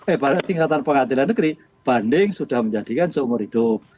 eh pada tingkatan pengadilan negeri banding sudah menjadikan seumur hidup